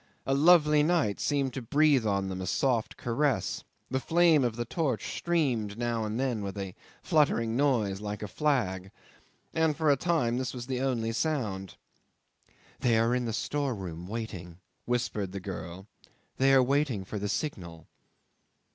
A lovely night seemed to breathe on them a soft caress. The flame of the torch streamed now and then with a fluttering noise like a flag, and for a time this was the only sound. "They are in the storeroom waiting," whispered the girl; "they are waiting for the signal."